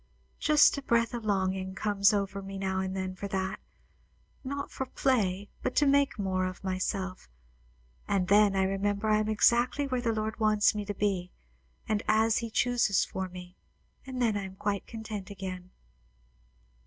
Just a breath of longing comes over me now and then for that; not for play, but to make more of myself; and then I remember that I am exactly where the Lord wants me to be, and as he chooses for me, and then I am quite content again."